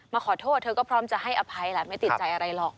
ขอโทษเธอก็พร้อมจะให้อภัยแหละไม่ติดใจอะไรหรอก